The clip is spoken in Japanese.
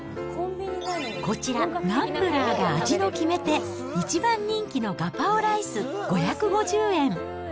こちら、ナンプラーが味の決め手、一番人気のガパオライス５５０円。